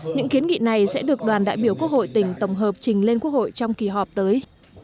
những kiến nghị này sẽ được đoàn đại biểu quốc hội tỉnh tổng hợp trình lên quốc hội trong kỳ họp tới